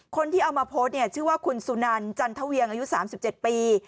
คนที่เอามาโพสต์เนี่ยชื่อว่าคุณสุนันจันทเวียงอายุ๓๗ปี